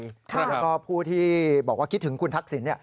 แล้วก็ผู้ที่บอกว่าคิดถึงคุณทักษิณ